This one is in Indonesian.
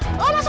udah udah masuk